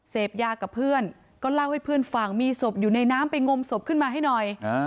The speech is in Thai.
เสพยากับเพื่อนก็เล่าให้เพื่อนฟังมีศพอยู่ในน้ำไปงมศพขึ้นมาให้หน่อย